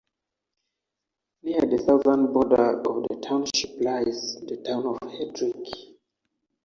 Near the southern border of the township lies the town of Hedrick.